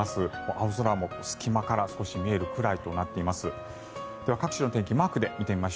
青空も隙間から少し見えるぐらいとなっています。